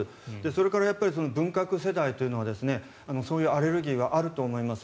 それから文革世代というのはそういうアレルギーはあると思います。